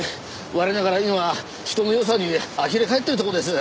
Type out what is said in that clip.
我ながら今人のよさにあきれ返ってるところです。